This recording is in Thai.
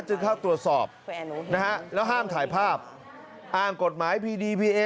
จึงเข้าตรวจสอบนะฮะแล้วห้ามถ่ายภาพอ้างกฎหมายพีดีพีเอ